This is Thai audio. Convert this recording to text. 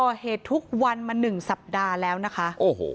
ก่อเหตุทุกวันมาหนึ่งสัปดาห์แล้วนะคะโอ้โห